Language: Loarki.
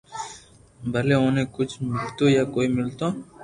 ڀلي اوني ڪجھ ميلتو يا ڪوئي ملتو